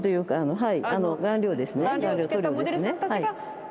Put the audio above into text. はい。